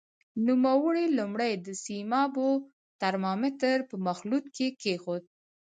نوموړی لومړی د سیمابو ترمامتر په مخلوط کې کېښود.